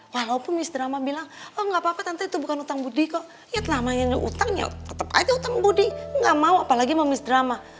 walaupun miss drama bilang oh gak apa apa tante itu bukan utang budi kok ya namanya utangnya tetep aja utang budi gak mau apalagi sama miss drama